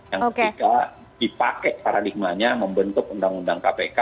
yang ketika dipakai paradigmanya membentuk undang undang kpk